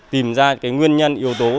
tìm ra cái nguyên nhân yếu tố